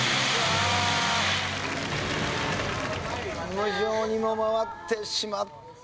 無情にも回ってしまった。